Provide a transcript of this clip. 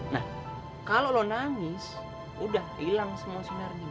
nah kalau lo nangis udah hilang semua sinardi